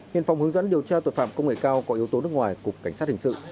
hiện phòng hướng dẫn điều tra tội phạm công nghệ cao có yếu tố nước ngoài cục cảnh sát hình sự